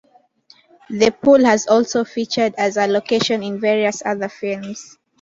The Pool has also featured as a location in various other films.